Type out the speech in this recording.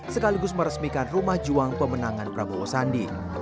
sekaligus meresmikan rumah juang pemenangan prabowo sandi